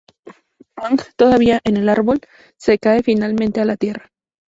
Aang, todavía en el árbol, se cae finalmente a la tierra.